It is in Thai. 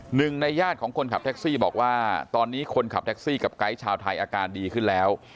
หนึ่งในญาติของคนขับแท็กซี่บอกว่าตอนนี้คนขับแท็กซี่กับไกด์ชาวไทยอาการดีขึ้นแล้ว